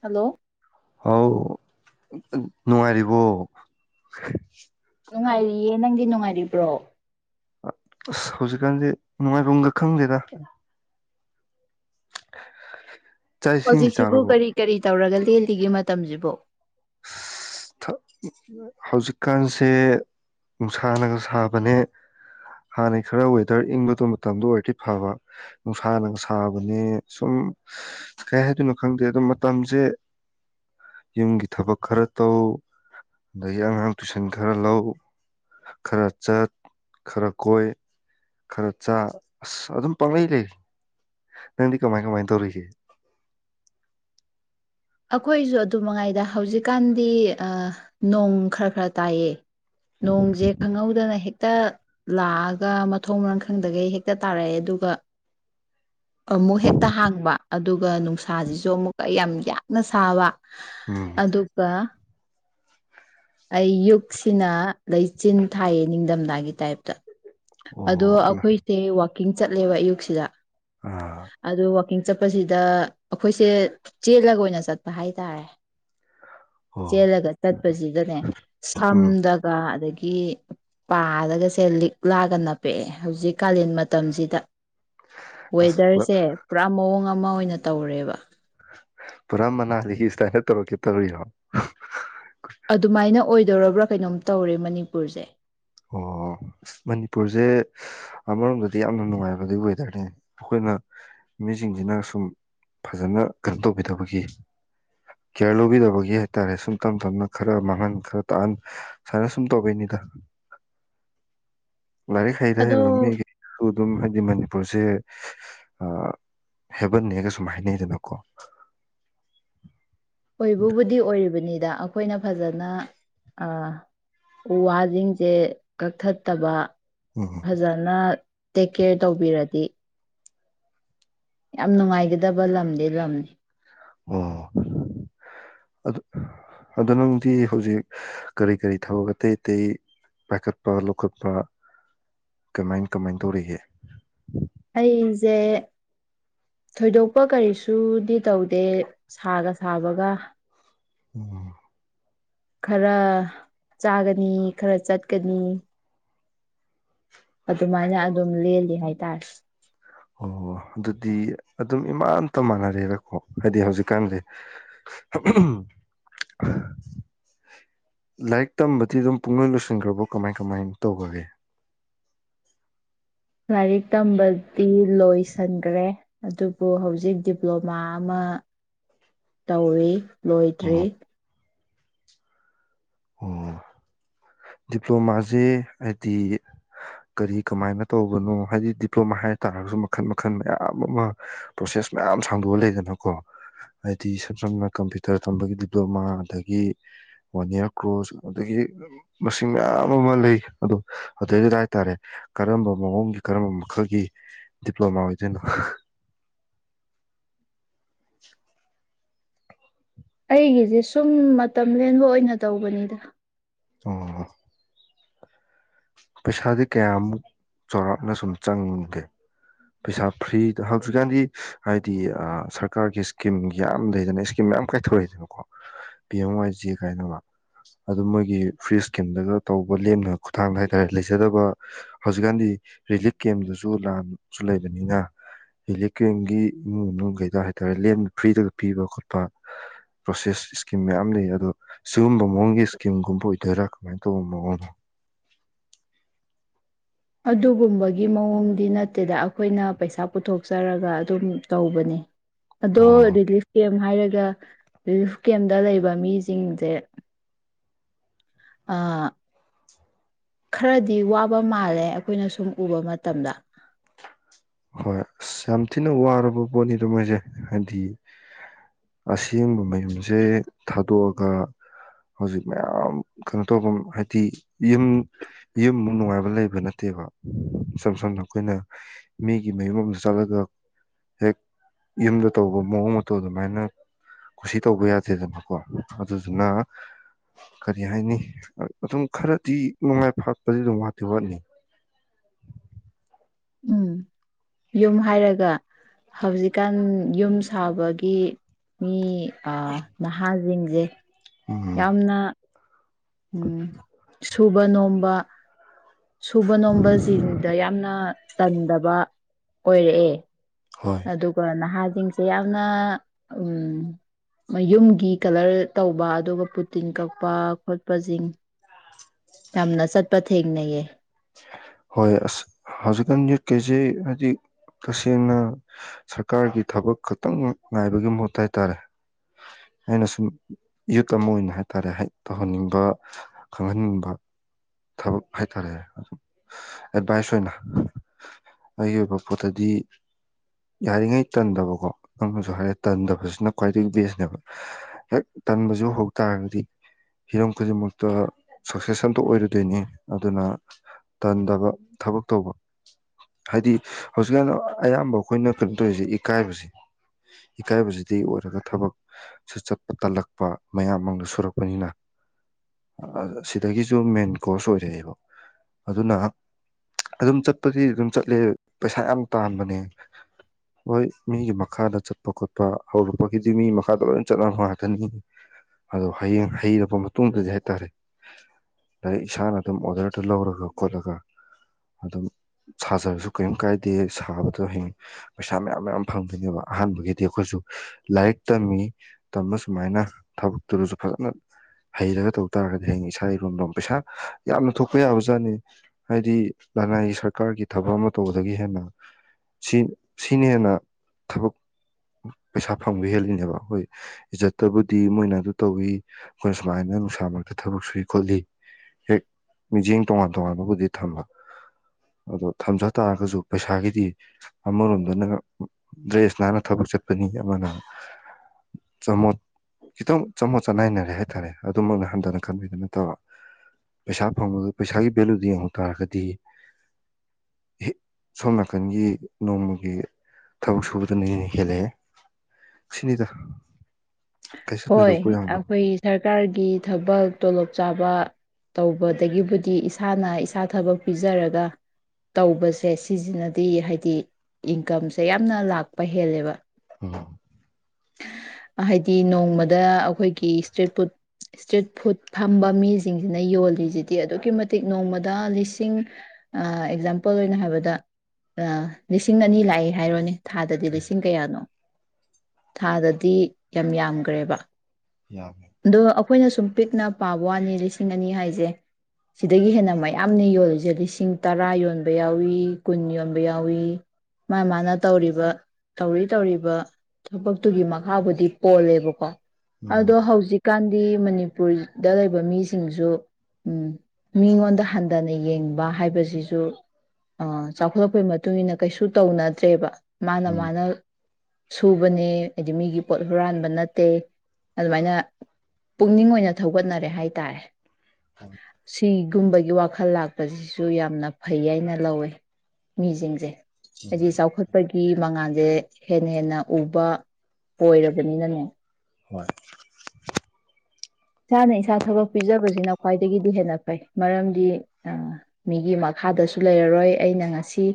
hello ꯍꯥꯎ ꯅꯨꯡꯉꯥꯏꯔꯤꯕꯣ ꯅꯨꯡꯉꯥꯏꯔꯤꯌꯦ ꯅꯪꯗꯤ ꯅꯨꯡꯉꯥꯏꯔꯤꯕ꯭ꯔꯣ ꯑꯁ ꯍꯧꯖꯤꯛꯀꯥꯟꯁꯦ ꯅꯨꯡꯉꯥꯏꯐꯝꯒ ꯈꯪꯗꯦꯔ ꯆꯥꯛ ꯏꯁꯤꯡꯗꯤ ꯍꯧꯖꯤꯛꯁꯤꯕꯨ ꯆꯥꯔꯕꯣ ꯀꯔꯤ ꯀꯔꯤ ꯇꯧꯔꯒꯅꯤ ꯇꯦꯜꯜꯂꯤꯒꯤ ꯃꯇꯝꯁꯤꯕꯣ ꯑꯁ ꯍꯧꯖꯤꯛꯀꯥꯟꯁꯦ ꯅꯨꯡꯁꯥꯅꯒ ꯁꯥꯕꯅꯦ ꯍꯥꯟꯅ ꯈꯔ ꯋꯦꯗꯔ ꯏꯪꯕꯗꯣ ꯃꯇꯝꯗꯣ ꯑꯣꯏꯔꯗꯤ ꯐꯕ ꯅꯨꯡꯁꯥꯅꯒ ꯁꯥꯕꯅꯦ ꯁꯨꯝ ꯀꯩ ꯍꯥꯏꯗꯣꯏꯅꯣ ꯈꯪꯗꯦ ꯑꯗꯣ ꯃꯇꯝꯁꯦ ꯌꯨꯝꯒꯤ ꯊꯕꯛ ꯈꯔ ꯇꯧ ꯑꯗꯒꯤ ꯑꯉꯥꯡ ꯇꯨꯏꯁꯟ ꯈꯔ ꯂꯧ ꯈꯔ ꯆꯠ ꯈꯔ ꯀꯣꯏ ꯈꯔ ꯆꯥ ꯑꯁ ꯑꯗꯨꯝ ꯄꯥꯡꯂꯩ ꯂꯩꯔꯤ ꯅꯪꯗꯤ ꯀꯃꯥꯏ ꯀꯃꯥꯏꯅ ꯇꯧꯔꯤꯒꯦ ꯑꯩꯈꯣꯏꯁꯨ ꯑꯗꯨ ꯃꯉꯥꯏꯗ ꯍꯧꯖꯤꯛꯀꯥꯟꯗꯤ ꯅꯣꯡ ꯈꯔ ꯈꯔ ꯇꯥꯏꯌꯦ ꯅꯣꯡꯁꯦ ꯈꯪꯍꯧꯗꯅ ꯍꯦꯛ ꯍꯦꯛꯇ ꯂꯥꯛꯑꯒ ꯃꯊꯣꯡ ꯃꯔꯥꯡ ꯈꯪꯗꯒꯩ ꯍꯦꯛꯇ ꯇꯥꯔꯛꯑꯦ ꯑꯗꯨꯒ ꯑꯃꯨꯛ ꯍꯦꯛꯇ ꯍꯥꯡꯕ ꯑꯗꯨꯒ ꯅꯨꯡꯁꯥꯁꯤꯁꯨ ꯑꯃꯨꯛꯀ ꯌꯥꯝ ꯌꯥꯡꯅ ꯁꯥꯕ ꯎꯝ ꯑꯗꯨꯒ ꯑꯩ ꯌꯨꯛꯁꯤꯅ ꯂꯩꯆꯤꯟ ꯊꯥꯏꯑ ꯅꯤꯡꯊꯝꯊꯥꯒꯤ ꯇꯥꯏꯞꯇ ꯑꯗꯣ ꯑꯣ ꯑꯩꯃ ꯑꯩꯈꯣꯏꯁꯦ ꯀꯀꯤꯡ ꯆꯠꯂꯦꯕ ꯑꯌꯨꯛꯁꯤꯗ ꯑꯥ ꯑꯗ ꯀꯀꯤꯡ ꯆꯠꯄꯁꯤꯗ ꯑꯩꯈꯣꯏꯁꯦ ꯆꯦꯜꯂꯒ ꯑꯣꯏꯅ ꯆꯠꯄ ꯍꯥꯏꯇꯥꯔꯦ ꯑꯣ ꯆꯦꯜꯂꯒ ꯆꯠꯄꯁꯤꯗꯅꯦ ꯎꯝ ꯁꯝꯗꯒ ꯑꯗꯒꯤ ꯒꯤ ꯄꯥꯔꯒꯁꯦ ꯂꯤꯛ ꯂꯥꯛꯑꯒꯅ ꯄꯦꯛꯑꯦ ꯍꯧꯖꯤꯛ ꯀꯥꯂꯦꯟ ꯃꯇꯝꯁꯤꯗ ꯑꯁ ꯄꯨꯔꯥ ꯋꯦꯗꯔꯁꯦ ꯄꯨꯔꯥ ꯃꯑꯣꯡ ꯑꯃ ꯑꯃ ꯑꯣꯏꯅ ꯇꯧꯔꯦꯕ ꯄꯨꯔꯥ ꯃꯅꯥꯁꯤꯗꯒꯤ ꯁꯨꯃꯥꯏꯅ ꯇꯧꯔꯛꯀꯦ ꯇꯧꯔꯤꯔꯣ ꯑꯗꯨꯃꯥꯏꯅ ꯑꯣꯏ ꯀꯩꯗꯧꯔꯕ꯭ꯔꯥ ꯀꯩꯅꯣꯝ ꯇꯧꯔꯦ ꯃꯅꯤꯄꯨꯔꯁꯦ ꯑꯣ ꯃꯅꯤꯄꯨꯔꯁꯦ ꯑꯃꯔꯣꯝꯗꯗꯤ ꯌꯥꯝꯅ ꯅꯨꯡꯉꯥꯏꯕꯗꯤ ꯋꯦꯗꯔꯅꯤ ꯑꯩꯈꯣꯏꯅ ꯃꯤꯁꯤꯡꯁꯤꯅ ꯁꯨꯝ ꯐꯖꯅ ꯀꯩꯅꯣ ꯇꯧꯕꯤꯗꯕꯒꯤ ꯀꯦꯌꯔ ꯂꯧꯕꯤꯗꯕꯒꯤ ꯍꯥꯏꯇꯥꯔꯦ ꯁꯨꯝ ꯇꯞ ꯇꯞꯅ ꯈꯔ ꯃꯥꯡꯍꯟ ꯈꯔ ꯇꯥꯛꯍꯟ ꯁꯨꯃꯥꯏꯅ ꯁꯨꯝ ꯇꯧꯕꯩꯅꯤꯗ ꯂꯥꯏꯔꯤꯛ ꯍꯩꯔ ꯑꯗꯣ ꯍꯩꯔꯕ ꯃꯤꯒꯤꯁꯨ ꯑꯗꯨꯝ ꯍꯥꯏꯗꯤ ꯃꯅꯤꯄꯨꯔꯁꯦ ꯑ ꯍꯦꯕꯅꯤꯒ ꯁꯨꯝꯃ ꯍꯥꯏꯅꯩꯗꯅꯀꯣ ꯑꯣꯏꯕꯕꯨꯗꯤ ꯑꯣꯏꯔꯤꯕꯅꯤꯗ ꯑꯩꯈꯣꯏꯅ ꯐꯖꯅ ꯎ ꯋꯥꯁꯤꯡꯁꯦ ꯀꯛꯊꯠꯇꯕ ꯎꯝ ꯐꯖꯅ ꯇꯦꯛ ꯀꯦꯌꯔ ꯇꯧꯕꯤꯔꯗꯤ ꯌꯥꯝ ꯅꯨꯡꯉꯥꯏꯒꯗꯕ ꯂꯝꯗꯤ ꯂꯝꯅꯤ ꯑꯣ ꯑꯗꯣ ꯅꯪꯗꯤ ꯍꯧꯖꯤꯛ ꯀꯔꯤ ꯀꯔꯤ ꯊꯕꯛ ꯑꯇꯩ ꯑꯇꯩ ꯄꯥꯏꯈꯠꯄ ꯂꯧꯈꯠꯄ ꯀꯃꯥꯏ ꯀꯃꯥꯏ ꯇꯧꯔꯤꯒꯦ ꯑꯩꯁꯦ ꯊꯣꯏꯗꯣꯛꯄ ꯀꯔꯤꯁꯨꯗꯤ ꯇꯧꯗꯦ ꯁꯥꯒ ꯁꯥꯕꯒ ꯑꯣ ꯈꯔ ꯆꯥꯒꯅꯤ ꯈꯔ ꯆꯠꯀꯅꯤ ꯑꯗꯨꯃꯥꯏꯅ ꯑꯗꯨꯝ ꯂꯦꯜꯂꯤ ꯍꯥꯏꯇꯥꯔꯦꯁꯦ ꯑꯣ ꯑꯗꯨꯗꯤ ꯑꯗꯨꯝ ꯏꯃꯥꯟꯇ ꯃꯥꯟꯅꯔꯦꯔꯀꯣ ꯍꯥꯏꯗꯤ ꯍꯧꯖꯤꯛꯀꯥꯟꯗꯤ ꯂꯥꯏꯔꯤꯛ ꯇꯝꯕꯗꯤ ꯑꯗꯨꯝ ꯄꯨꯡ ꯂꯣꯏ ꯂꯣꯏꯁꯤꯟꯈ꯭ꯔꯕꯣ ꯀꯃꯥꯏ ꯀꯃꯥꯏꯅ ꯇꯧꯈꯒꯦ ꯂꯥꯏꯔꯤꯛ ꯇꯝꯕꯗꯤ ꯂꯣꯏꯁꯤꯟꯈ꯭ꯔꯦ ꯑꯗꯨꯕꯨ ꯍꯧꯖꯤꯛ ꯗꯤꯄ꯭ꯂꯣꯃꯥ ꯑꯃ ꯇꯧꯔꯤ ꯂꯣꯏꯗ꯭ꯔꯤ ꯑꯣ ꯑꯣ ꯗꯤꯄ꯭ꯂꯣꯃꯥꯁꯦ ꯍꯥꯏꯗꯤ ꯀꯔꯤ ꯀꯃꯥꯏꯅ ꯇꯧꯕꯅꯣ ꯍꯥꯏꯗꯤ ꯗꯤꯄ꯭ꯂꯣꯃꯥ ꯍꯥꯏ ꯇꯥꯔꯒꯁꯨ ꯃꯈꯜ ꯃꯈꯜ ꯃꯌꯥꯝ ꯑꯃ ꯄ꯭ꯔꯣꯁꯦꯁ ꯃꯌꯥꯝ ꯁꯥꯡꯗꯣꯛꯑ ꯂꯩꯗꯅꯀꯣ ꯍꯥꯏꯗꯤ ꯏꯁꯝ ꯁꯝꯅ ꯀꯝꯄ꯭ꯌꯨꯇꯔ ꯇꯝꯕꯒꯤ ꯗꯤꯄ꯭ꯂꯣꯃꯥ ꯑꯗꯒꯤ ꯋꯥꯟ ꯏꯌꯥꯔ ꯀꯣꯔ꯭ꯔꯣꯁ ꯑꯗꯒꯤ ꯃꯁꯤꯡ ꯃꯌꯥꯝ ꯑꯃ ꯂꯩ ꯑꯗꯣ ꯑꯗꯨꯗꯩꯗꯨꯗ ꯍꯥꯏꯇꯥꯔꯦ ꯀꯔꯝꯕ ꯃꯑꯣꯡꯒꯤ ꯀꯔꯝꯕ ꯃꯈꯜꯒꯤ ꯗꯤꯄ꯭ꯂꯣꯃꯥ ꯑꯣꯏꯗꯣꯏꯅꯣ [inaudible] ꯑꯩꯒꯤꯁꯦ ꯁꯨꯝ ꯃꯇꯝ ꯂꯦꯟꯕ ꯑꯣꯏꯅ ꯇꯧꯕꯅꯤꯗ ꯑꯣ ꯄꯩꯁꯥꯗꯤ ꯀꯌꯥꯃꯨꯛ ꯆꯥꯎꯔꯥꯛꯅ ꯁꯨꯝ ꯆꯪꯗꯦ ꯄꯩꯁꯥ ꯐ꯭ꯔꯤꯗ ꯍꯧꯖꯤꯛꯀꯥꯟꯗꯤ ꯍꯥꯏꯗꯤ ꯁꯔꯀꯥꯔꯒꯤ ꯏꯁꯀꯤꯝ ꯌꯥꯝ ꯂꯩꯗꯅ ꯏꯁꯀꯤꯝ ꯃꯌꯥꯝ ꯀꯥꯏꯊꯣꯔꯛꯏꯗꯅꯀꯣ ꯄꯤ ꯑꯦꯝ ꯋꯥꯏ ꯖꯤ ꯀꯥꯏꯅꯕ ꯑꯗꯨ ꯃꯣꯏꯒꯤ ꯐ꯭ꯔꯤ ꯏꯁꯀꯤꯝꯗꯒ ꯇꯧꯕ ꯂꯦꯝꯅꯕ ꯈꯨꯠꯊꯥꯡꯗ ꯍꯥꯏ ꯍꯥꯏꯔꯦ ꯂꯩꯖꯗꯕ ꯍꯧꯖꯤꯛꯀꯥꯟꯗꯤ ꯔꯤꯂꯤꯞ ꯀꯦꯝꯗꯨꯁꯨ ꯂꯥꯟꯁꯨ ꯂꯩꯕꯅꯤꯅ ꯔꯤꯂꯤꯞ ꯀꯦꯝꯒꯤ ꯏꯃꯨꯡ ꯃꯅꯨꯡꯈꯩꯗ ꯍꯥꯏꯇꯥꯔꯦ ꯂꯦꯝꯅ ꯐ꯭ꯔꯤꯗꯒ ꯄꯤꯕ ꯈꯣꯠꯄ ꯄ꯭ꯔꯣꯁꯦꯁ ꯏꯁꯀꯤꯝ ꯃꯌꯥꯝ ꯂꯩ ꯑꯗꯣ ꯁꯤꯒꯨꯝꯕ ꯃꯑꯣꯡꯒꯤ ꯏꯁꯀꯤꯝꯒꯨꯝꯕ ꯑꯣꯏꯗꯣꯏꯔꯥ ꯀꯃꯥꯏꯅ ꯇꯧꯕ ꯃꯑꯣꯡꯅꯣ ꯑꯗꯨꯒꯨꯝꯕꯒꯤ ꯃꯑꯣꯡꯗꯤ ꯅꯠꯇꯦꯗ ꯑꯩꯈꯣꯏꯅ ꯄꯩꯁꯥ ꯄꯨꯊꯣꯛꯆꯔꯒ ꯑꯗꯨꯝ ꯇꯧꯕꯅꯦ ꯑꯗꯣ ꯑꯣ ꯔꯤꯂꯤꯐ ꯀ ꯍꯥꯏꯔꯒꯦ ꯁꯤ ꯔꯤꯂꯤꯐ ꯀꯦꯝꯗ ꯂꯩꯕ ꯃꯤꯁꯤꯡꯁꯦ ꯑꯥ ꯈꯔꯗꯤ ꯋꯥꯕ ꯃꯥꯜꯂꯦ ꯑꯩꯈꯣꯏꯅ ꯁꯨꯝ ꯎꯕ ꯃꯇꯝꯗ ꯍꯣꯏ ꯑꯁ ꯌꯥꯝ ꯊꯤꯅ ꯋꯥꯔꯕ ꯄꯣꯠꯅꯤꯗꯣ ꯃꯣꯏꯁꯦ ꯍꯥꯏꯗꯤ ꯑꯁꯦꯡꯕ ꯃꯌꯨꯝꯁꯦ ꯊꯥꯗꯣꯛꯑꯒ ꯍꯧꯖꯤꯛ ꯃꯌꯥꯝ ꯀꯩꯅꯣ ꯇꯧꯕ ꯍꯥꯏꯗꯤ ꯌꯨꯝ ꯌꯨꯝꯃꯛ ꯅꯨꯡꯉꯥꯏꯕ ꯂꯩꯕ ꯅꯠꯇꯦꯕ ꯏꯁꯝ ꯁꯝꯅ ꯑꯩꯈꯣꯏꯅ ꯃꯤꯒꯤ ꯃꯌꯨꯝ ꯑꯃꯗ ꯆꯠꯂꯒ ꯍꯦꯛ ꯌꯨꯝꯗ ꯇꯧꯕ ꯃꯑꯣꯡ ꯃꯇꯣ ꯑꯗꯨꯃꯥꯏꯅ ꯀꯁꯤ ꯇꯧꯕ ꯌꯥꯗꯦꯗꯅꯀꯣ ꯑꯗꯨꯗꯨꯅ ꯀꯔꯤ ꯍꯥꯏꯅꯤ ꯑꯗꯨꯝ ꯈꯔꯗꯤ ꯅꯨꯡꯉꯥꯏ ꯐꯥꯠꯄꯗꯤ ꯑꯗꯨꯝ ꯋꯥꯠꯇꯦ ꯋꯥꯠꯅꯤ ꯎꯝ ꯌꯨꯝ ꯍꯥꯏꯔꯒ ꯍꯧꯖꯤꯛꯀꯥꯟ ꯌꯨꯝ ꯁꯥꯕꯒꯤ ꯃꯤ ꯑ ꯃꯍꯥꯖꯤꯤꯡ [inaudible] ꯎꯝ ꯌꯥꯝꯅ ꯎꯝ ꯁꯨꯕ ꯅꯣꯝꯕ ꯁꯨꯕ ꯅꯣꯝꯕꯁꯤꯡꯗ ꯌꯥꯝꯅ ꯇꯝꯗꯕ ꯑꯣꯏꯔꯛꯑꯦ ꯍꯣꯏ ꯑꯗꯨꯗ ꯀꯅ ꯍꯥꯏ ꯁꯤꯡꯁꯦ ꯌꯥꯝꯅ ꯃꯌꯨꯝꯒꯤ ꯀꯂꯔ ꯇꯧꯕ ꯑꯗꯨꯒ ꯄꯨ ꯇꯤꯟ ꯀꯛꯄ ꯈꯣꯠꯄꯁꯤꯡ ꯌꯥꯝꯅ ꯆꯠꯄ ꯊꯦꯡꯅꯩꯌꯦ ꯍꯣꯏ ꯑꯁ ꯍꯧꯖꯤꯛꯀꯥꯟ ꯌꯨꯠꯀꯤꯁꯦ ꯍꯥꯏꯗꯤ ꯇꯁꯦꯡꯅ ꯁꯔꯀꯥꯔꯒꯤ ꯊꯕꯛ ꯈꯛꯇꯪ ꯉꯥꯏꯕꯒꯤ ꯃꯍꯨꯠꯇ ꯍꯥꯏꯇꯥꯔꯦ ꯑꯩꯅ ꯁꯨꯝ ꯌꯨꯠ ꯑꯃ ꯑꯣꯏꯅ ꯍꯥꯏ ꯇꯥꯔꯦ ꯇꯧꯍꯟꯅꯤꯡꯕ ꯈꯪꯍꯟꯅꯤꯡꯕ ꯊꯕꯛ ꯍꯥꯏ ꯇꯥꯔꯦ ꯑꯦꯠꯚꯥꯏꯁ ꯑꯣꯏꯅ ꯑꯩꯒꯤ ꯑꯣꯏꯕ ꯄꯣꯠꯇꯗꯤ ꯌꯥꯔꯤꯉꯩ ꯇꯟꯗꯕꯀꯣ ꯅꯪꯅꯁꯨ ꯍꯥꯏꯔꯛꯦ ꯇꯟꯗꯕꯁꯤꯅ ꯈ꯭ꯋꯥꯏꯗꯒꯤ ꯕꯦꯁꯅꯦꯕ ꯍꯦꯛ ꯇꯟꯕꯁꯨ ꯍꯧ ꯇꯥꯔꯒꯗꯤ ꯍꯤꯔꯝ ꯈꯨꯗꯤꯡꯃꯛꯇ ꯁꯛꯁꯦꯁ ꯑꯝꯇ ꯑꯣꯏꯔꯨꯗꯣꯏꯅꯤ ꯑꯗꯨꯅ ꯇꯟꯗꯕ ꯊꯕꯛ ꯇꯧꯕ ꯍꯥꯏꯗꯤ ꯍꯧꯖꯤꯛꯀꯥꯟ ꯑꯌꯥꯝꯕ ꯑꯩꯈꯣꯏꯅ ꯀꯩꯅꯣ ꯇꯧꯔꯤꯁꯦ ꯏꯀꯥꯏꯕꯁꯦ ꯏꯀꯥꯏꯕꯁꯤꯗꯤ ꯑꯣꯏꯔꯒ ꯊꯕꯛ ꯁ ꯆꯠꯄ ꯇꯜꯂꯛꯄ ꯃꯌꯥꯝ ꯑꯃꯗ ꯁꯨꯔꯛꯄꯅꯤꯅ ꯁꯤꯗꯒꯤꯁꯨ ꯃꯦꯟ ꯀꯣꯁ ꯑꯣꯏꯔꯛꯑꯦꯕ ꯑꯗꯨꯅ ꯑꯗꯨꯝ ꯆꯠꯄꯗꯤ ꯑꯗꯨꯝ ꯆꯠꯂꯦ ꯄꯩꯁꯥ ꯌꯥꯝ ꯇꯥꯟꯕꯅꯦ ꯍꯣꯏ ꯃꯤꯒꯤ ꯃꯈꯥꯗ ꯆꯠꯄ ꯈꯣꯠꯄ ꯍꯧꯔꯛꯄꯒꯤꯗꯤ ꯃꯤ ꯃꯈꯥꯗ ꯂꯣꯏ ꯆꯠꯅꯕ ꯉꯥꯛꯇꯅꯤ ꯑꯗꯣ ꯍꯌꯦꯡ ꯍꯩꯔꯕ ꯃꯇꯨꯡꯗꯗꯤ ꯍꯥꯏꯇꯥꯔꯦ ꯂꯥꯏꯛ ꯏꯁꯥꯅ ꯑꯗꯨꯝ ꯑꯣꯗꯔꯗꯨ ꯂꯧꯔꯒ ꯈꯣꯠꯂꯒ ꯑꯗꯨꯝ ꯁꯥꯖꯔꯁꯨ ꯀꯔꯤꯝ ꯀꯥꯏꯗꯦ ꯁꯥꯕꯗꯣ ꯍꯌꯦꯡ ꯄꯩꯁꯥ ꯃꯌꯥꯝ ꯃꯌꯥꯝ ꯐꯪꯗꯣꯏꯅꯦꯕ ꯑꯍꯥꯟꯕꯒꯤꯗꯤ ꯑꯩꯈꯣꯏꯁꯨ ꯂꯥꯏꯔꯤꯛ ꯇꯝꯃꯤ ꯇꯝꯕ ꯁꯨꯃꯥꯏꯅ ꯊꯕꯛꯇꯨꯗꯁꯨ ꯐꯖꯅ ꯍꯩꯔꯒ ꯇꯧ ꯇꯥꯔꯒꯗꯤ ꯍꯌꯦꯡ ꯏꯁꯥ ꯏꯔꯣꯝꯗꯣꯝ ꯄꯩꯁꯥ ꯌꯥꯝꯅ ꯊꯣꯛꯄ ꯌꯥꯕ ꯖꯥꯠꯅꯤ ꯍꯥꯏꯗꯤ ꯂꯅꯥꯏ ꯁꯔꯀꯥꯔꯒꯤ ꯊꯕꯛ ꯑꯃ ꯇꯧꯕꯗꯒꯤ ꯍꯦꯟꯅ ꯁꯤꯅ ꯍꯦꯟꯅ ꯊꯕꯛ ꯄꯩꯁꯥ ꯐꯪꯕ ꯍꯦꯜꯂꯤꯅꯦꯕ ꯍꯣꯏ ꯏꯖꯠꯇꯕꯨꯗꯤ ꯃꯣꯏꯅ ꯑꯗꯨ ꯇꯧꯋꯤ ꯑꯩꯈꯣꯏꯅ ꯁꯨꯃꯥꯏꯅ ꯅꯨꯡꯁꯥ ꯃꯔꯛꯇ ꯊꯕꯛ ꯁꯨꯏ ꯈꯣꯠꯂꯤ ꯍꯦꯛ ꯃꯤꯠꯌꯦꯡ ꯇꯣꯉꯥꯟꯕ ꯇꯣꯉꯥꯟꯕꯕꯨꯗꯤ ꯊꯝꯕ ꯑꯗꯣ ꯊꯝꯖ ꯇꯥꯔꯒꯁꯨ ꯄꯩꯁꯥꯒꯤꯗꯤ ꯑꯃꯔꯣꯝꯗꯅ ꯗ꯭ꯔꯦꯁ ꯅꯥꯟꯅ ꯊꯕꯛ ꯆꯠꯄꯅꯤ ꯑꯃꯅ ꯆꯃꯣꯠ ꯈꯤꯇꯪ ꯆꯃꯣꯠ ꯆꯅꯥꯏꯅꯔꯦ ꯍꯥꯏꯇꯥꯔꯦ ꯑꯗꯨꯃꯛꯅ ꯍꯟꯊꯅ ꯈꯟꯕꯤꯗ ꯅꯠꯇꯕ ꯄꯩꯁꯥ ꯐꯪꯕꯗ ꯄꯩꯁꯥꯒꯤ ꯚꯦꯂꯨꯗꯨ ꯌꯦꯡꯍꯧ ꯇꯥꯔꯒꯗꯤ ꯁꯣꯝ ꯅꯥꯀꯟꯒꯤ ꯅꯣꯡꯃꯒꯤ ꯊꯕꯛ ꯁꯨꯕꯗ ꯅꯅ ꯍꯦꯜꯂꯛꯑꯦ ꯁꯤꯅꯤꯗ ꯀꯩꯁꯨ ꯍꯣꯏ ꯊꯣꯏꯗꯣꯛꯄ ꯌꯥꯝ ꯑꯩꯈꯣꯏ ꯁꯔꯀꯥꯔꯒꯤ ꯊꯕꯛ ꯇꯣꯂꯣꯞ ꯆꯥꯕ ꯇꯧꯕ ꯇꯗꯒꯤꯕꯨꯗꯤ ꯏꯁꯥꯅ ꯏꯁꯥ ꯊꯕꯛ ꯄꯤꯖꯔꯒ ꯇꯧꯕꯁꯦ ꯁꯤꯁꯤꯅꯗꯤ ꯍꯥꯏꯗꯤ ꯏꯟꯀꯝꯁꯦ ꯌꯥꯝꯅ ꯂꯥꯛꯄ ꯍꯦꯜꯂꯦꯕ ꯑꯣ ꯍꯥꯏ ꯗꯤ ꯅꯣꯡꯃꯗ ꯑꯩꯈꯣꯏꯒꯤ ꯁꯇ꯭ꯔꯤꯠ ꯐꯨꯗ ꯏꯁꯇ꯭ꯔꯤꯠ ꯐꯨꯗ ꯐꯝꯕ ꯃꯤꯁꯤꯡꯁꯤꯅ ꯌꯣꯜꯂꯤꯁꯤꯗꯤ ꯑꯗꯨꯛꯀꯤ ꯃꯇꯤꯛ ꯅꯣꯡꯃꯗ ꯂꯤꯁꯤꯡ ꯑꯦꯛꯖꯥꯝꯄꯜ ꯑꯣꯏꯅ ꯍꯥꯏꯕꯗ ꯂꯤꯁꯤꯡ ꯑꯅꯤ ꯂꯥꯛꯏꯦ ꯍꯥꯏꯔꯣꯅꯦ ꯊꯥꯗꯗꯤ ꯂꯤꯁꯤꯡ ꯀꯌꯥꯅꯣ ꯊꯥꯗꯗꯤ ꯌꯥꯝ ꯌꯥꯝꯈ꯭ꯔꯦꯕ ꯌꯥ ꯑꯗꯣ ꯑꯩꯈꯣꯏꯅ ꯁꯨꯝ ꯄꯤꯛꯅ ꯄꯥꯕ ꯋꯥꯅꯤ ꯂꯤꯁꯤꯡ ꯑꯅꯤ ꯍꯥꯏꯁꯦ ꯁꯤꯗꯒꯤ ꯍꯦꯟꯅ ꯃꯌꯥꯝꯅ ꯌꯣꯜꯂꯤꯁꯦ ꯂꯤꯁꯤꯡ ꯇꯔꯥ ꯌꯣꯟꯕ ꯌꯥꯎꯏ ꯀꯨꯟ ꯌꯣꯟꯕ ꯌꯥꯎꯏꯤ ꯃꯥ ꯃꯥꯅ ꯇꯧꯔꯤꯕ ꯇꯧꯔꯤ ꯇꯧꯔꯤꯕ ꯊꯕꯛꯇꯨꯒꯤ ꯃꯈꯥꯕꯨꯗꯤ ꯄ ꯂꯩꯦꯕꯀꯣ ꯎꯝ ꯑꯗꯣ ꯍꯧꯖꯤꯛ ꯍꯧꯖꯤꯀꯥꯟꯗꯤ ꯃꯅꯤꯄꯨꯔꯗ ꯂꯩꯕ ꯃꯤꯁꯤꯡꯁꯨ ꯎꯝ ꯃꯤꯒꯣꯟ ꯍ ꯗꯅ ꯌꯦꯡꯕ ꯍꯥꯏꯕꯁꯤꯁꯨ ꯆꯥꯎꯈꯠꯂꯛꯄꯩ ꯃꯇꯨꯡ ꯏꯟꯅ ꯀꯩꯁꯨ ꯇꯧꯅꯗ꯭ꯔꯦꯕ ꯃꯥꯅ ꯎꯝ ꯃꯥꯅ ꯁꯨꯕꯅꯦ ꯍꯥꯏꯗꯤ ꯃꯤꯒꯤ ꯄꯣꯠ ꯍꯨꯔꯥꯟꯕ ꯅꯠꯇꯦ ꯑꯗꯨꯃꯥꯏꯅ ꯄꯨꯛꯅꯤꯡ ꯑꯣꯏꯅ ꯊꯧꯒꯠꯅꯔꯦ ꯍꯥꯏꯇꯥꯔꯦ ꯁꯤ ꯒꯨꯝꯕꯒꯤ ꯋꯥꯈꯜ ꯂꯥꯛꯄꯁꯤꯁꯨ ꯌꯥꯝꯅ ꯐꯩ ꯍꯥꯏꯅ ꯂꯧꯋꯦ ꯃꯤꯁꯤꯡꯁꯦ ꯎꯝ ꯍꯥꯏꯗꯤ ꯆꯥꯎꯈꯠꯄꯒꯤ ꯃꯉꯥꯟꯜ ꯦ ꯍꯦꯟꯅ ꯍꯦꯟꯅ ꯎꯕ ꯄꯣꯏꯔꯕꯅꯤꯅꯅꯦ ꯍꯣꯏ ꯏꯁꯥꯅ ꯏꯁꯥ ꯊꯕꯛ ꯄꯤꯖꯕꯁꯤꯅ ꯈ꯭ꯋꯥꯏꯗꯒꯤꯗꯤ ꯍꯦꯟꯅ ꯐꯩ ꯃꯔꯝꯗꯤ ꯃꯤꯒꯤ ꯃꯈꯥꯗꯁꯨ ꯂꯩꯔꯔꯣꯏ ꯑꯩꯅ ꯉꯁꯤ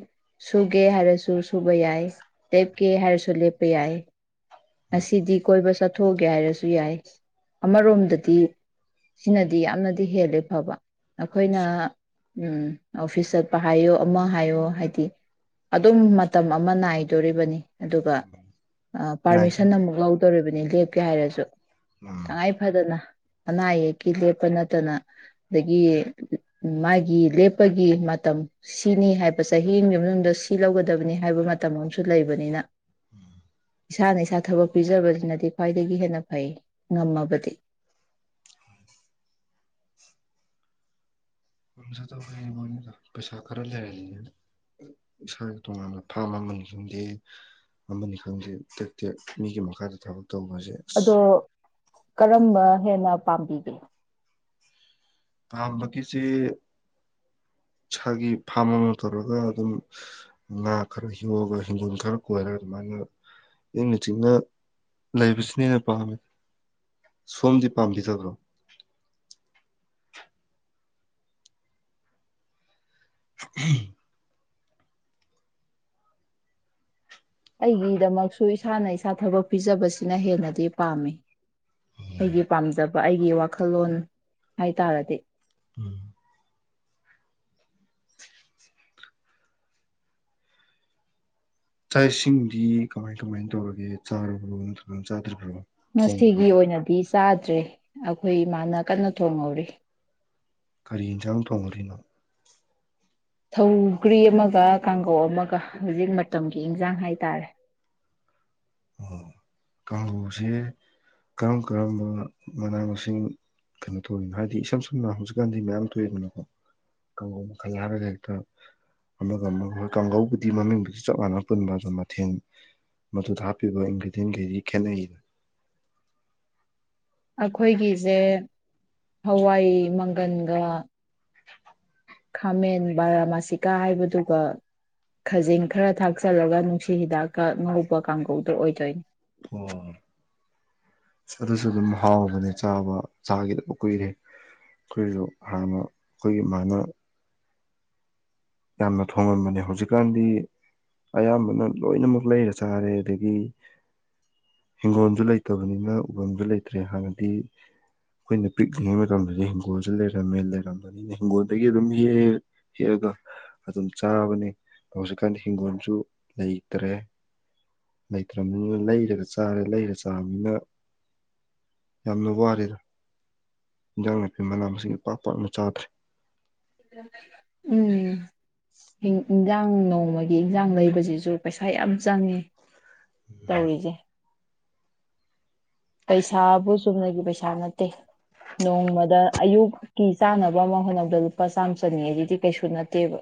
ꯁꯨꯒꯦ ꯍꯥꯏꯔꯁꯨ ꯁꯨꯕ ꯌꯥꯏ ꯂꯦꯞꯀꯦ ꯍꯥꯏꯔꯁꯨ ꯂꯦꯞꯄ ꯌꯥꯏ ꯉꯁꯤꯗꯤ ꯀꯣꯏꯕ ꯆꯠ ꯊꯣꯛꯒꯦ ꯍꯥꯏꯔꯁꯨ ꯌꯥꯏ ꯑꯃꯔꯣꯝꯗꯗꯤ ꯁꯤꯅꯗꯤ ꯌꯥꯝꯅꯗꯤ ꯍꯦꯜꯂꯦ ꯐꯕ ꯑꯩꯈꯣꯏꯅ ꯑꯣꯐꯤꯁ ꯆꯠꯄ ꯍꯥꯏꯌꯣ ꯑꯃ ꯍꯥꯏꯌꯣ ꯍꯥꯏꯗꯤ ꯑꯗꯨꯝ ꯃꯇꯝ ꯑꯃ ꯅꯥꯏꯗꯣꯔꯤꯕꯅꯤ ꯑꯗꯨꯒ ꯅꯥꯏꯟꯇꯤ ꯄꯥꯔꯃꯤꯁꯟ ꯑꯃꯨꯛ ꯂꯧꯗꯧꯔꯤꯕ ꯂꯦꯞꯀꯦ ꯍꯥꯏꯔꯁꯨ ꯎꯝ ꯇꯉꯥꯏ ꯐꯗꯅ ꯑꯅꯥ ꯑꯌꯦꯛꯀꯤ ꯂꯦꯞꯄ ꯅꯠꯇꯅ ꯑꯗꯒꯤ ꯃꯥꯒꯤ ꯂꯦꯞꯄꯒꯤ ꯃꯇꯝ ꯁꯤꯅꯤ ꯍꯥꯏꯕ ꯆꯍꯤꯒꯤ ꯃꯅꯨꯡꯗ ꯁꯤ ꯂꯧꯒꯗꯕꯅꯤ ꯍꯥꯏꯕ ꯃꯇꯝ ꯑꯃꯁꯨ ꯂꯩꯕꯅꯤꯅ ꯏꯁꯥꯅ ꯏꯁꯥ ꯊꯕꯛ ꯄꯤꯖꯕꯅꯤꯅꯗꯤ ꯈ꯭ꯋꯥꯏꯗꯒꯤ ꯍꯦꯟꯅ ꯐꯩ ꯉꯝꯃꯕꯗꯤ ꯇ ꯃꯣꯏꯅꯤꯗ ꯄꯩꯁꯥ ꯈꯔ ꯂꯩꯔꯅꯤꯅꯦ ꯏꯁꯥꯒꯤ ꯇꯣꯉꯥꯟꯕ ꯐꯥꯕ ꯑꯃꯅꯤ ꯈꯪꯗꯦ ꯑꯃꯅꯤ ꯈꯪꯗꯦ ꯇꯦꯛ ꯇꯦꯛ ꯃꯤꯒꯤ ꯃꯈꯥꯗ ꯊꯕꯛ ꯇꯧꯕꯁꯦ ꯑꯁ ꯑꯗꯣ ꯀꯔꯝꯕ ꯍꯦꯟꯅ ꯄꯥꯝꯕꯤꯒꯦ ꯄꯥꯝꯕꯒꯤꯁꯤꯦ ꯏꯁꯥꯒꯤ ꯐꯥꯝ ꯑꯃ ꯇꯧꯔꯒ ꯑꯗꯨꯝ ꯉꯥ ꯈꯔ ꯌꯣꯛꯑꯒ ꯍꯪꯒꯣꯜ ꯈꯔ ꯀꯣꯏꯔꯒ ꯑꯗꯨꯃꯥꯏꯅ ꯏꯪꯅ ꯆꯤꯅ ꯂꯩꯕꯁꯤꯅ ꯍꯅ ꯄꯥꯝꯃꯦ ꯁꯣꯝꯗꯤ ꯄꯥꯝꯕꯤꯗꯕ꯭ꯔꯣ ꯎ ꯑꯩꯒꯤꯗꯃꯛꯁꯨ ꯏꯁꯥꯅ ꯏꯁꯥ ꯊꯕꯛ ꯄꯤꯖꯕꯁꯤꯅ ꯍꯦꯟꯅꯗꯤ ꯄꯥꯝꯃꯤ ꯑꯩꯒꯤ ꯄꯥꯝꯖꯕ ꯑꯩꯒꯤ ꯋꯥꯈꯜꯂꯣꯟ ꯍꯥꯏ ꯇꯥꯔꯗꯤ ꯎꯝ ꯆꯥꯛ ꯏꯁꯤꯡꯗꯤ ꯀꯃꯥꯏ ꯀꯃꯥꯏꯅ ꯇꯧꯔꯒꯦ ꯆꯥꯔꯕ꯭ꯔꯣ ꯅꯠꯇ꯭ꯔꯒꯅ ꯆꯥꯗ꯭ꯔꯤꯕ꯭ꯔꯣ ꯉꯁꯤꯒꯤ ꯊꯣꯡꯉꯕ꯭ꯔꯥ ꯑꯣꯏꯅꯗꯤ ꯆꯥꯗ꯭ꯔꯤ ꯑꯩꯈꯣꯏ ꯏꯃꯥꯅ ꯀꯟꯅ ꯊꯣꯡꯍꯧꯔꯤ ꯀꯔꯤ ꯌꯦꯟꯁꯥꯡ ꯊꯣꯡꯗꯨꯏꯅꯣ ꯊꯧꯒ꯭ꯔꯤ ꯑꯃꯒ ꯀꯥꯡꯒꯧ ꯑꯃꯒ ꯍꯧꯖꯤꯛ ꯃꯇꯝꯒꯤ ꯏꯟꯖꯥꯡ ꯍꯥꯏꯇꯥꯔꯦ ꯑꯣ ꯀꯥꯡꯒꯧꯁꯦ ꯀꯔꯝ ꯀꯔꯝꯕ ꯃꯅꯥ ꯃꯁꯤꯡ ꯀꯩꯅꯣ ꯇꯧꯔꯤꯅꯣ ꯍꯥꯏꯕꯗꯤ ꯏꯁꯝ ꯁꯝꯅ ꯍꯧꯖꯤꯛꯀꯥꯟꯗꯤ ꯃꯌꯥꯝ ꯊꯣꯛꯏꯗꯅꯀꯣ ꯀꯥꯡꯒꯧ ꯃꯈꯜ ꯍꯥꯏꯔꯒ ꯍꯦꯛꯇ ꯑꯃꯒ ꯑꯃꯒ ꯀꯥꯡꯒꯧꯕꯕꯨꯗꯤ ꯃꯃꯤꯡꯗꯨꯗꯤ ꯆꯞ ꯃꯥꯟꯅ ꯄꯨꯟꯕ ꯑꯗꯨ ꯃꯊꯦꯜ ꯃꯗꯨꯗ ꯍꯥꯞ ꯄꯤꯕ ꯏꯟꯒ꯭ꯔꯤꯗꯤꯌꯦꯟ ꯒꯩꯗꯤ ꯈꯦꯠꯅꯩꯅ ꯑꯩꯈꯣꯏꯒꯤꯁꯦ ꯍꯋꯥꯏ ꯃꯪꯒꯟꯒ ꯈꯥꯃꯦꯟ ꯕꯥꯔꯥꯃꯥꯁꯤꯀꯥ ꯍꯥꯏꯕꯗꯨꯒ ꯈꯖꯤꯡ ꯈꯔ ꯊꯥꯛꯆꯤꯜꯂꯒ ꯅꯨꯡꯁꯤ ꯍꯤꯗꯥꯛꯀ ꯉꯧꯕ ꯀꯥꯡꯒꯧꯗꯣ ꯑꯣꯏꯗꯣꯏꯅꯤ ꯑꯣ ꯑꯗꯨꯁꯨ ꯑꯗꯨꯝ ꯍꯥꯎꯕꯅꯦ ꯆꯥꯕ ꯆꯥꯒꯤꯗꯕ ꯀꯨꯏꯔꯦ ꯑꯩꯈꯣꯏꯁꯨ ꯍꯥꯟꯅ ꯑꯩꯈꯣꯏꯒꯤ ꯃꯥꯅ ꯌꯥꯝꯅ ꯊꯣꯡꯉꯝꯕꯅꯦ ꯍꯧꯖꯤꯛꯀꯥꯟꯗꯤ ꯑꯌꯥꯝꯕꯅ ꯂꯣꯏꯅꯃꯛ ꯂꯩꯔ ꯆꯥꯔꯦ ꯑꯗꯒꯤ ꯍꯤꯡꯒꯣꯜꯗꯨ ꯂꯩꯇꯕꯅꯤꯅ ꯎꯕꯝꯗꯨ ꯂꯩꯇ꯭ꯔꯦ ꯍꯥꯟꯅꯗꯤ ꯑꯩꯈꯣꯏꯅ ꯄꯤꯛꯂꯤꯉꯩ ꯃꯇꯝꯗꯗꯤ ꯍꯤꯡꯒꯣꯜꯁꯨ ꯂꯩꯔꯝꯃꯦ ꯂꯩꯔꯝꯕꯅꯤꯅ ꯍꯤꯡꯒꯣꯜꯗꯒꯤ ꯑꯗꯨꯝ ꯍꯦꯛꯑꯦ ꯍꯦꯛꯑꯒ ꯑꯗꯨꯝ ꯆꯥꯕꯅꯦ ꯍꯧꯖꯤꯛꯀꯥꯟꯗꯤ ꯍꯤꯡꯒꯣꯜꯁꯨ ꯂꯩꯇ꯭ꯔꯦ ꯂꯩꯇ꯭ꯔꯝꯅꯤꯅ ꯂꯩꯔꯒ ꯆꯥꯔꯦ ꯂꯩꯔ ꯆꯥꯔꯕꯅꯤꯅ ꯌꯥꯝꯅ ꯋꯥꯔꯦꯗ ꯏꯟꯖꯥꯡ ꯅꯥꯄꯤ ꯃꯅꯥ ꯃꯁꯤꯡ ꯄꯥꯛ ꯄꯥꯛꯅ ꯆꯥꯗ꯭ꯔꯦ ꯎꯝ ꯍꯤꯡ ꯎꯝ ꯏꯟꯖꯥꯡ ꯅꯣꯡꯃꯒꯤ ꯏꯟꯖꯥꯡ ꯂꯩꯕꯁꯤꯁꯨ ꯄꯩꯁꯥ ꯌꯥꯝ ꯆꯪꯉꯦ ꯇꯧꯔꯤꯖꯦ ꯄꯩꯁꯥꯕꯨ ꯆꯨꯝꯅꯒꯤ ꯄꯩꯁꯥ ꯅꯠꯇꯦ ꯅꯣꯡꯃꯗ ꯑꯌꯨꯛꯀꯤ ꯆꯥꯅꯕ ꯑꯃ ꯍꯣꯠꯅꯕꯗ ꯂꯨꯄꯥ ꯆꯥꯝꯃ ꯆꯅꯤ ꯑꯗꯨꯗꯤ ꯀꯩꯁꯨ ꯅꯠꯇꯦꯕ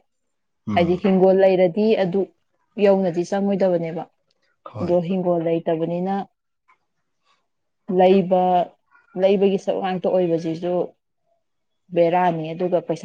ꯑꯩꯗꯤ ꯎꯝ ꯍꯤꯡꯒꯣꯜ ꯂꯩꯔꯠ [unintelligible] ꯑꯗꯨ ꯌꯧꯅꯗꯤ ꯆꯪꯉꯣꯏꯗꯕꯅꯦꯕ ꯍꯣꯏ ꯗꯣ ꯍꯤꯡꯒꯣꯜ ꯂꯩꯠ ꯇꯕꯅꯤꯅ ꯂꯩꯕ ꯂꯩꯕꯒꯤ ꯁꯔꯨꯛ ꯉꯥꯛꯇ ꯑꯣꯏꯕꯁꯤꯁꯨ ꯕꯦꯔꯥꯅꯤ ꯑꯗꯨꯒ ꯄꯩꯁꯥ